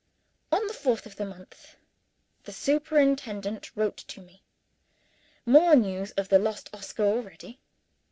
On the fourth of the month, the superintendent wrote to me. More news of the lost Oscar already!